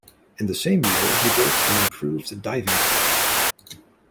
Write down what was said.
In the same year he built an improved diving bell.